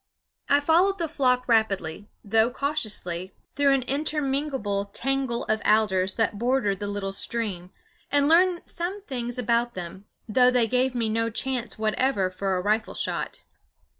I followed the flock rapidly, though cautiously, through an interminable tangle of alders that bordered the little stream, and learned some things about them; though they gave me no chance whatever for a rifle shot.